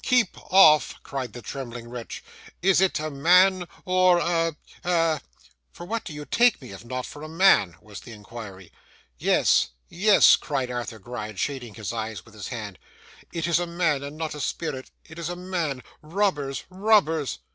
'Keep off!' cried the trembling wretch. 'Is it a man or a a ' 'For what do you take me, if not for a man?' was the inquiry. 'Yes, yes,' cried Arthur Gride, shading his eyes with his hand, 'it is a man, and not a spirit. It is a man. Robbers! robbers!